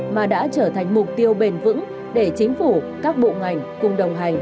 mà đã trở thành mục tiêu bền vững để chính phủ các bộ ngành cùng đồng hành